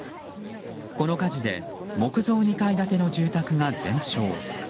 この火事で木造２階建ての住宅が全焼。